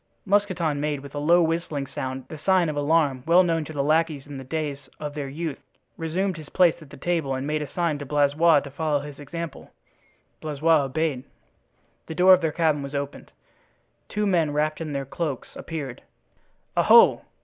Mousqueton made, with a low whistling sound, the sign of alarm well known to the lackeys in the days of their youth, resumed his place at the table and made a sign to Blaisois to follow his example. Blaisois obeyed. The door of their cabin was opened. Two men, wrapped in their cloaks, appeared. "Oho!"